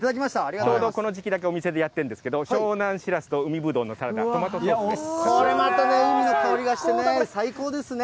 ちょうどこの時期だけ、お店でやってるんですけれども、湘南しらすと海ぶどうのサラダトマトソースです。